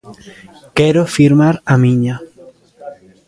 Quero firmar a miña.